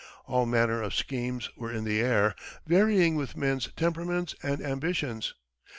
All manner of schemes were in the air, varying with men's temperaments and ambitions.